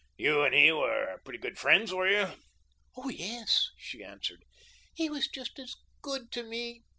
"You and he were pretty good friends, were you?" "Oh, yes," she answered. "He was just as GOOD to me.